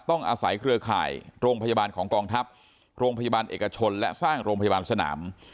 ต้องอาศัยเครือข่ายโรงพยาบาลของกองทัพโรงพยาบาลเอกชนและสร้างโรงพยาบาลสนาม